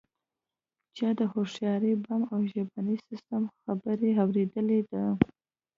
چا د هوښیار بم او ژبني سیستم خبره اوریدلې ده